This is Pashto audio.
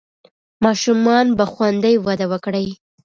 ماشومان به خوندي وده وکړي.